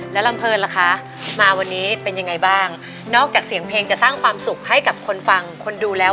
แล้วลำเพลินล่ะคะมาวันนี้เป็นยังไงบ้างนอกจากเสียงเพลงจะสร้างความสุขให้กับคนฟังคนดูแล้ว